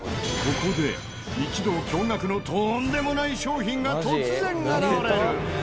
ここで一同驚愕のとんでもない商品が突然現れる！